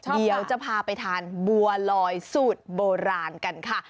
เดี๋ยวจะพาไปทานบัวลอยสูตรโบราณกันค่ะ